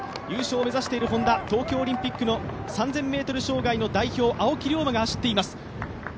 優勝を目指しているＨｏｎｄａ、東京オリンピックの３０００ｍ障害代表、青木涼真が走っています。